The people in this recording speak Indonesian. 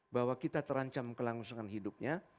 bahwa kita terancam kelangsungan hidupnya